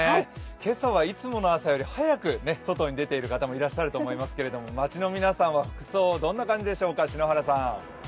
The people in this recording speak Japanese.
今朝はいつもの朝より早く外に出ている方もいらっしゃると思いますけれども街の皆さんは服装、どんな感じでしょうか。